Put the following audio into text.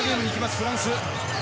フランス。